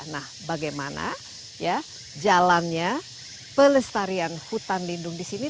nah bagaimana jalannya pelestarian hutan lindung disini